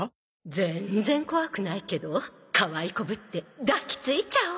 全然怖くないけどかわい子ぶって抱きついちゃお！